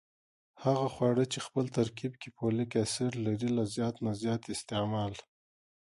هغه خواړه چې خپل ترکیب کې فولک اسید لري له زیات نه زیات استعمال